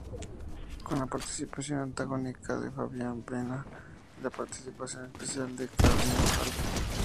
Con la participación antagónica de Fabián Vena y la participación especial de Carolina Fal.